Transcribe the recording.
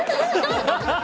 ハハハハハ！